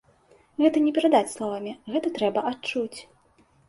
Гэта не перадаць словамі, гэта трэба адчуць.